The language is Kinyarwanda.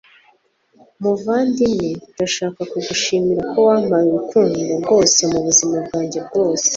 muvandimwe, ndashaka kugushimira ko wampaye urukundo rwose mubuzima bwanjye bwose